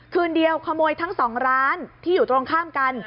คืนเดียวขโมยทั้ง๒ร้านที่อยู่ตรงข้ามกัน